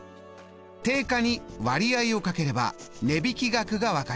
定価に割合を掛ければ値引額が分かります。